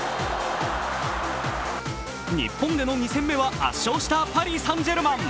日本での２戦目は圧勝したパリ・サン＝ジェルマン。